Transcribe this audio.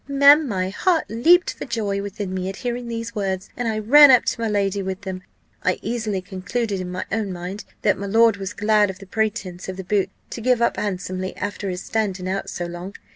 Ma'am, my heart leaped for joy within me at hearing these words, and I ran up to my lady with them. I easily concluded in my own mind, that my lord was glad of the pretence of the boots, to give up handsomely after his standing out so long.